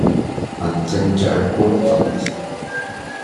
行政長官粉嶺別墅